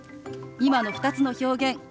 今の２つの表現